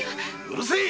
うるせい！